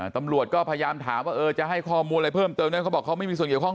ตำรวจก็พยายามถามว่าเออจะให้ข้อมูลอะไรเพิ่มเติมนั้นเขาบอกเขาไม่มีส่วนเกี่ยวข้อง